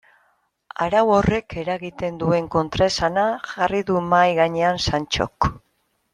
Arau horrek eragiten duen kontraesana jarri du mahai gainean Santxok.